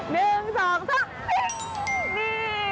นี่